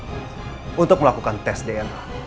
aku diperlukan untuk lakukan tes dna